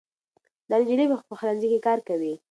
دا نجلۍ په پخلنځي کې کار کوي.